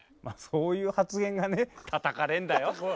そういう発言がねたたかれんだよ。